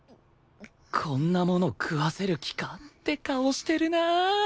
こんなもの食わせる気か？って顔してるな